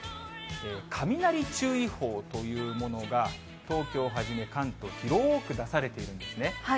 雷注意報というものが東京をはじめ、関東、広ーく出されているんですね。